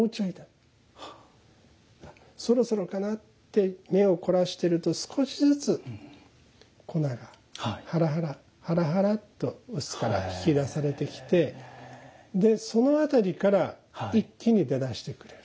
そろそろかなって目を凝らしてると少しずつ粉がはらはらはらはらと臼からひき出されてきてそのあたりから一気に出だしてくれる。